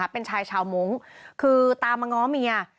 เป็นชายชาวมงค์คือตามมาง้อเมีย